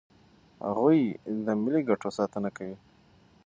هغوی د ملي ګټو ساتنه کوي.